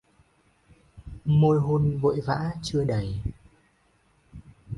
Môi hôn vội vã chưa đầy